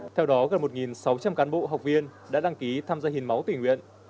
theo đó gần một sáu trăm linh cán bộ học viên đã đăng ký tham gia hiến máu tỉnh nguyện